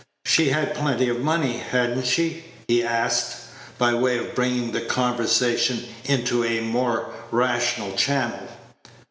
"She had plenty of money, had n't she?" he asked, by way of bringing the conversation into a more rational channel.